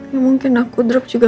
gak mungkin aku drop juga